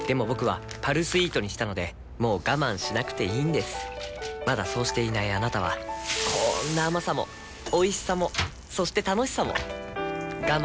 僕は「パルスイート」にしたのでもう我慢しなくていいんですまだそうしていないあなたはこんな甘さもおいしさもそして楽しさもあちっ。